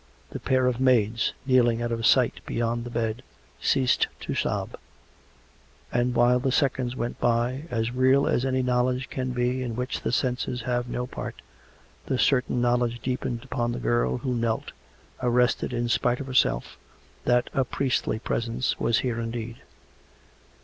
The pair of maids, kneeling out of sight beyond the bed, ceased to sob; and, while the seconds went by, as real as any knowledge can be in which the senses have no part, the certain knowledge deepened upon the girl who knelt, arrested in spite of herself, that a priestly presence was here indeed.